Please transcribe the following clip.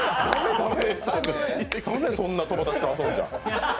駄目、そんな友達と遊んじゃ。